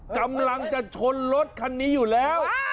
กำลังจะชนรถคันนี้อยู่แล้ว